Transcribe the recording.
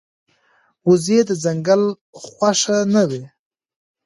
وزې د ځنګل خوښه نه وي